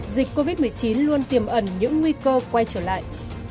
dịch covid một mươi chín luôn tiềm ẩn những nguy cơ quay trở lại